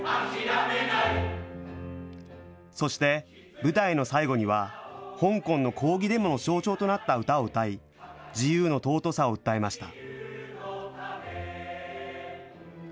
そして舞台の最後には、香港の抗議デモの象徴となった歌を歌い、自由の尊さを訴えました。